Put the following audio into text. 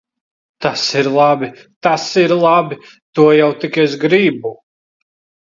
Tas ir labi! Tas ir labi! To jau tik es gribu.